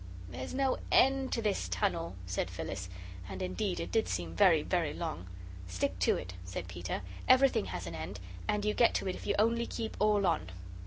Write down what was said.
"There's no end to this tunnel," said Phyllis and indeed it did seem very very long. "Stick to it," said Peter; "everything has an end, and you get to it if you only keep all on."